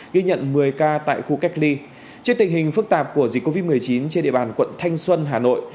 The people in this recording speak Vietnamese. ghi nhận một mươi ca tại khu cách ly trước tình hình phức tạp của dịch covid một mươi chín trên địa bàn quận thanh xuân hà nội